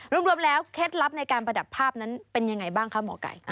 รวมแล้วเคล็ดลับในการประดับภาพนั้นเป็นยังไงบ้างคะหมอไก่